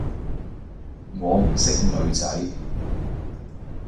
我唔識女仔